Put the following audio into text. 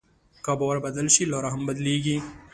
که باور بدل شي، لاره هم بدلېږي.